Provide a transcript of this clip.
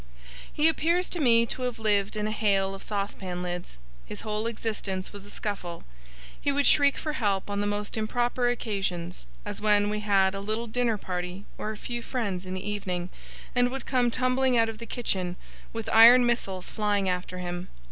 He appears to me to have lived in a hail of saucepan lids. His whole existence was a scuffle. He would shriek for help on the most improper occasions, as when we had a little dinner party, or a few friends in the evening, and would come tumbling out of the kitchen, with iron missiles flying after him.